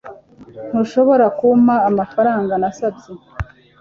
ntushobora kumpa amafaranga nasabye